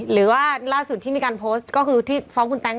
หรือว่าล่าสุดที่มีการโพสต์ก็คือที่ฟ้องคุณแต๊ง